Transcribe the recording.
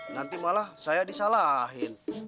nanti malah saya disalahin